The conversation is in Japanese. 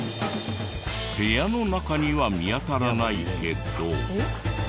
部屋の中には見当たらないけど。